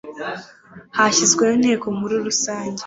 hashyizweho Inteko Nkuru Rusange